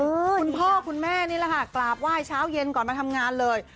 มีคุณพ่อคุณแม่กลาบไหว้ก่อนมาทำงานเลย